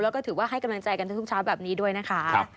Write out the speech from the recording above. แล้วก็ถือว่าให้กำลังใจกันทุกเช้าแบบนี้ด้วยนะคะ